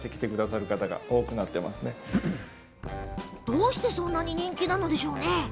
どうしてそんなに人気なんでしょう。